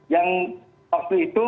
yang waktu itu